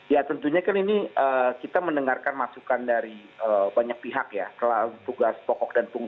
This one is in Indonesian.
ya tentunya kan ini kita mendengarkan masukan dari banyak orang ya kita mendengarkan masukan dari banyak orang dan itu juga memang sebuah hal yang harus kita lakukan